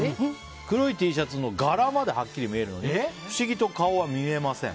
黒いＴシャツの柄まではっきり見えるのに不思議と顔は見えません。